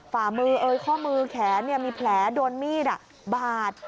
ฝ่ามือเอ่ยข้อมือแขนมีแผลโดนมีดบาด